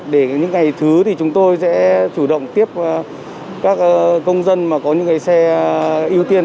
để những ngày thứ thì chúng tôi sẽ chủ động tiếp các công dân mà có những xe ưu tiên